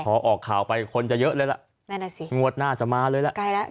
พอออกข่าวไปคนจะเยอะเลยล่ะนั่นแหละสิงวดหน้าจะมาเลยล่ะใกล้แล้ว